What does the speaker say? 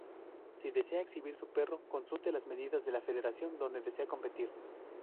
Si desea exhibir su perro, consulte las medidas de la federación donde desea competir.